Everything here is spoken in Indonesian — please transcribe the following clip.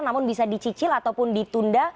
namun bisa dicicil ataupun ditunda